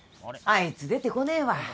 あいつ出てこねえわ。